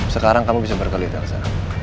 sekarang kamu bisa berkelit telsa